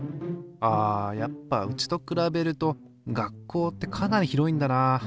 あやっぱうちと比べると学校ってかなり広いんだな。